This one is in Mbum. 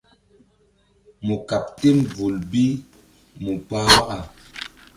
Mu kaɓ tem vul bi mu pah waka.